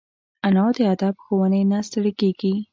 انا د ادب ښوونې نه ستړي کېږي